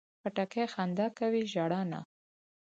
خټکی خندا کوي، ژړا نه.